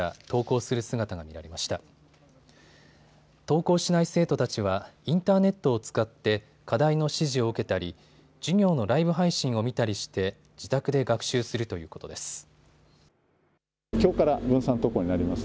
登校しない生徒たちはインターネットを使って課題の指示を受けたり授業のライブ配信を見たりして自宅で学習するということです。